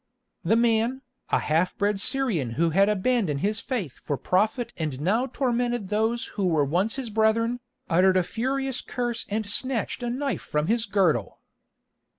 The man, a half bred Syrian who had abandoned his faith for profit and now tormented those who were once his brethren, uttered a furious curse and snatched a knife from his girdle.